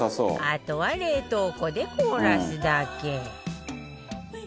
あとは冷凍庫で凍らすだけ